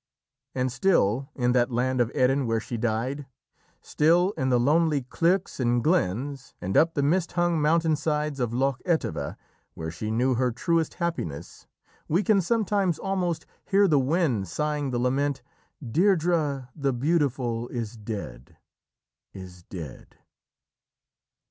And still, in that land of Erin where she died, still in the lonely cleuchs and glens, and up the mist hung mountain sides of Loch Etive, where she knew her truest happiness, we can sometimes almost hear the wind sighing the lament: "Deirdrê the beautiful is dead ... is dead!"